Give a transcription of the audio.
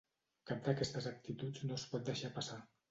Cap d’aquestes actituds no es pot deixar passar.